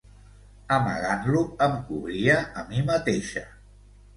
Amagant-lo em cobria a mi mateixa.